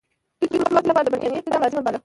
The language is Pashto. دوی د خپلواکۍ لپاره د برټانیې اقدام لازم باله.